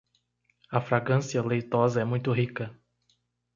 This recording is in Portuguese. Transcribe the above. A fragrância leitosa é muito rica